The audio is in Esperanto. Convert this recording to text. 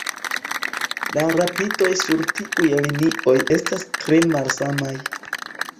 La rapidoj sur tiuj linioj estas tre malsamaj.